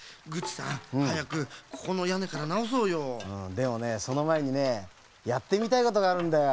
でもねそのまえにねやってみたいことがあるんだよ。